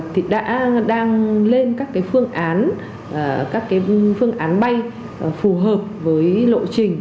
thì đã đang lên các cái phương án các cái phương án bay phù hợp với lộ trình